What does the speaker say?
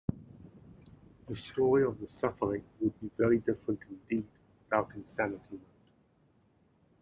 The story of "The Suffering" would be very different indeed without insanity mode.